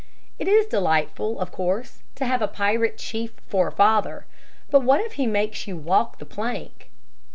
It is delightful, of course, to have a pirate chief for father; but what if he makes you walk the plank?